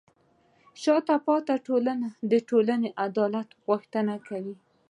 شاته پاتې ټولنه د ټولنیز عدالت غوښتنه کوي.